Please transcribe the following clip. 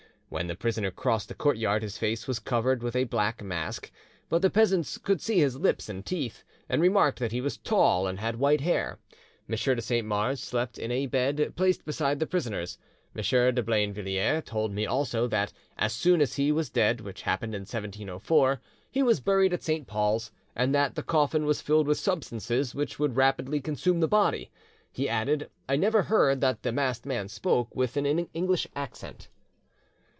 When the prisoner crossed the courtyard his face was covered with a black mask, but the peasants could see his lips and teeth, and remarked that he was tall, and had white hair. M. de Saint Mars slept in a bed placed beside the prisoner's. M. de Blainvilliers told me also that 'as soon as he was dead, which happened in 1704, he was buried at Saint Paul's,' and that 'the coffin was filled with substances which would rapidly consume the body.' He added, 'I never heard that the masked man spoke with an English accent.